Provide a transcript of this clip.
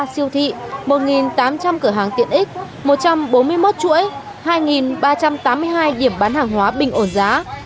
một trăm hai mươi ba siêu thị một tám trăm linh cửa hàng tiện ích một trăm bốn mươi một chuỗi hai ba trăm tám mươi hai điểm bán hàng hóa bình ổn giá